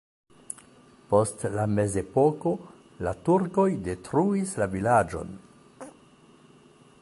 Post la mezepoko la turkoj detruis la vilaĝon.